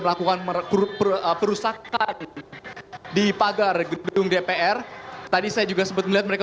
melakukan perusakan di pagar gedung dpr tadi saya juga sempat melihat mereka